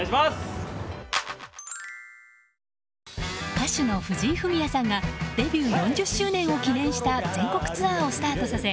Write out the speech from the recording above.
歌手の藤井フミヤさんがデビュー４０周年を記念した全国ツアーをスタートさせ